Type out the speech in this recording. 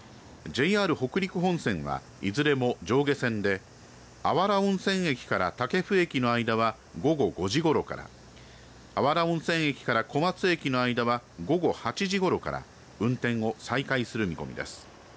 北陸本線はいずれも上下線で芦原温泉駅から武生駅の間は午後５時ごろから芦原温泉駅から小松駅の間は午後８時ごろから運転を再開する見込みです。